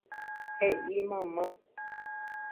He'i mama.